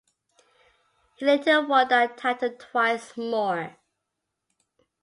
He later won that title twice more.